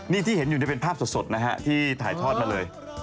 นี่ที่เห็นอยู่นี่เป็นภาพสดนะฮะที่ถ่ายทอดมาเลย